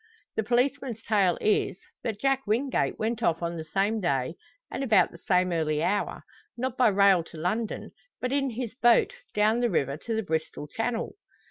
The policeman's tale is, that Jack Wingate went off on the same day, and about the same early hour; not by rail to London, but in his boat, down the river to the Bristol Channel!